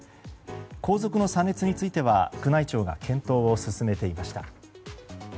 皇族の参列については宮内庁が検討を進めていました。